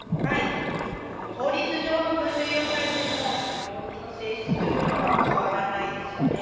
法律上の分類を変えても病気の性質というのは変わらないですよね。